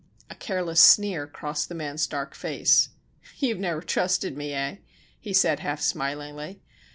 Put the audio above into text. A careless sneer crossed the man's dark face. "You have never trusted me, eh," he said, half smilingly.